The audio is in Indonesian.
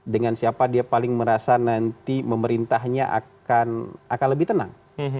dengan siapa dia paling merasa nanti memerintahnya akan lebih tenang